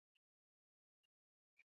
南瓜瓜子可以做零食。